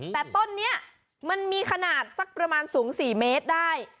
แต่ต้นนี้มันมีขนาดสักประมาณสูง๔เมตรได้